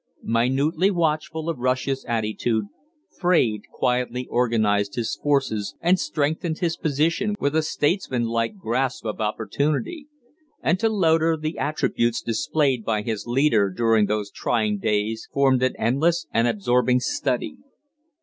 Minutely watchful of Russia's attitude, Fraide quietly organized his forces and strengthened his position with a statesmanlike grasp of opportunity; and to Loder the attributes displayed by his leader during those trying days formed an endless and absorbing study.